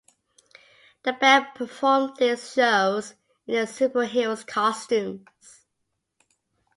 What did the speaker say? The band performed these shows in their "Superheroes" costumes.